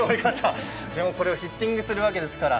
これをヒッティングするわけですから。